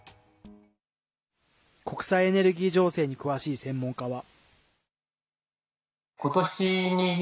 国際エネルギー情勢に詳しい専門家は。